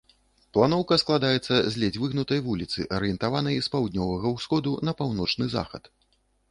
Планоўка складаецца з ледзь выгнутай вуліцы, арыентаванай з паўднёвага ўсходу на паўночны захад.